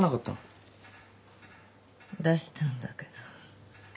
出したんだけど。